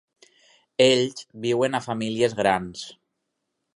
Ells viuen a famílies grans.